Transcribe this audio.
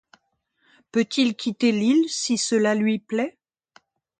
Peut-il quitter l’île si cela lui plaît?